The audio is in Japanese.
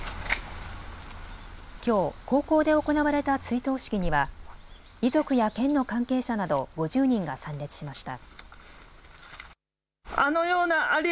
きょう高校で行われた追悼式には遺族や県の関係者など５０人が参列しました。